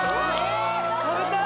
食べたい！